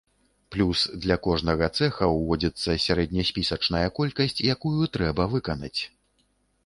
Плюс для кожнага цэха ўводзіцца сярэдняспісачная колькасць, якую трэба выканаць.